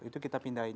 itu kita pindahin